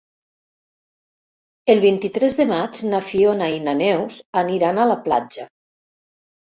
El vint-i-tres de maig na Fiona i na Neus aniran a la platja.